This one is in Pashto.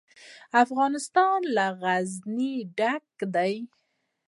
افغانستان له غزني ډک دی.